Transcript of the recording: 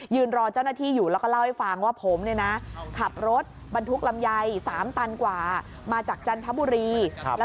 ยืนรอเจ้าหน้าที่อยู่แล้วก็เล่าให้ฟังว่า